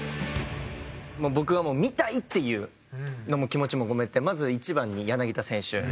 僕はもう見たいっていうのも気持ちも込めてまず１番に柳田選手。